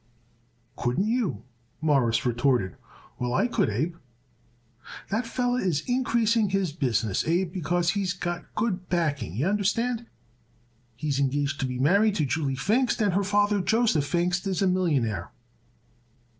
"Couldn't you?" Morris retorted. "Well, I could, Abe. That feller is increasing his business, Abe, because he's got good backing, y'understand. He's engaged to be married to Julie Pfingst and her father Joseph Pfingst is a millionaire."